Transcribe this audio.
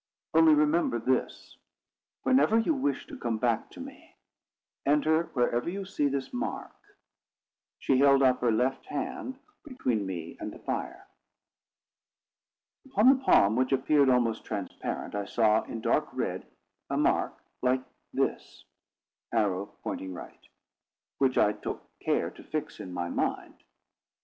Only remember this: whenever you wish to come back to me, enter wherever you see this mark." She held up her left hand between me and the fire. Upon the palm, which appeared almost transparent, I saw, in dark red, a mark like this —> which I took care to fix in my mind.